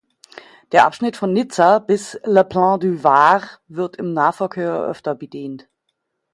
Der Abschnitt von Nizza bis Le Plan du Var wird im Nahverkehr öfter bedient.